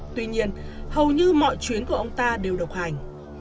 tuy nhiên hầu như mọi chuyến của ông ta đều độc hành